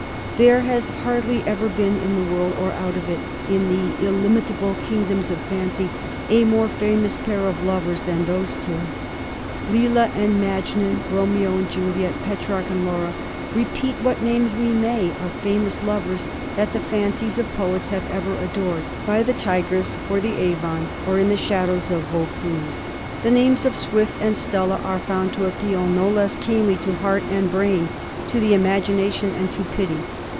There has hardly ever been in the world, or out of it, in the illimitable kingdoms of fancy, a more famous pair of lovers than these two. Leila and Majnun, Bomeo and Juliet, Petrarch and Laura — ^repeat what names we may of famous lovers that the fancies of poets have ever adored by the Tigris, or the Avon, or in the shadows of Vaucluse, the names of Swift and Stella are found to appeal no less keenly to heart and brain, to the imagination and to pity.